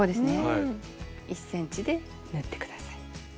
１ｃｍで縫って下さい。